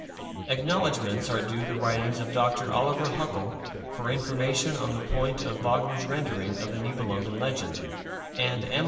Acknowledgments are due the writings of Dr. Oliver Huckel for information on the point of Wagner's rendering of the Nibelungen legend, and M.